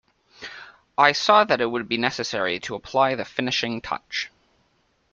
I saw that it would be necessary to apply the finishing touch.